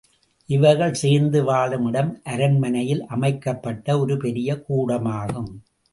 இவர்கள் சேர்ந்து வாழும் இடம் அரண்மனையில் அமைக்கப்பட்ட ஒரு பெரிய கூடமாகும்.